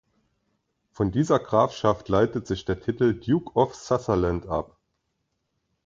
Von dieser Grafschaft leitet sich der Titel Duke of Sutherland ab.